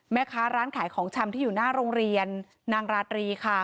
แม่ค้าร้านขายของชำที่อยู่หน้าโรงเรียนนางราตรีค่ะ